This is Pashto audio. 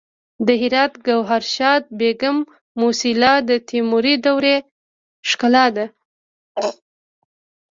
د هرات د ګوهرشاد بیګم موسیلا د تیموري دورې ښکلا ده